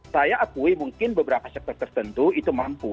saya akui mungkin beberapa sektor tertentu itu mampu